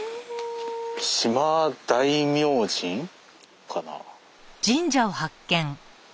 「嶌大明神」かな？